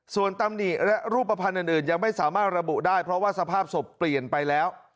ส่วนตำหนิและรูปภัณฑ์อื่นยังไม่สามารถระบุได้เพราะว่าสภาพศพเปลี่ยนไปแล้ว